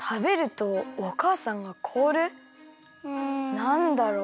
なんだろう？